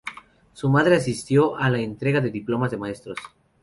Su madre asistió a la entrega de diplomas de maestros.